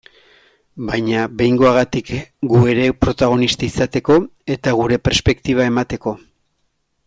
Baina behingoagatik gu ere protagonista izateko, eta gure perspektiba emateko.